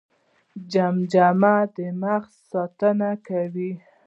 جمجمه د مغز ساتنه کوي